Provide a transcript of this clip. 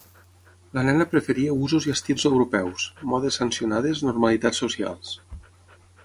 La nena preferia usos i estils europeus, modes sancionades, normalitats socials.